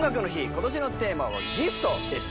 今年のテーマは「ＧＩＦＴ−ギフト−」です。